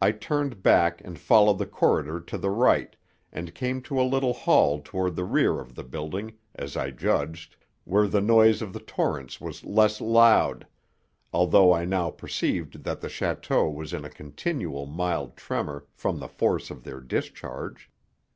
I turned back and followed the corridor to the right, and came to a little hall toward the rear of the building, as I judged, where the noise of the torrents was less loud, although I now perceived that the château was in a continual mild tremor from the force of their discharge.